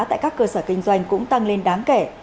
tại các cơ sở kinh doanh cũng tăng lên đáng kể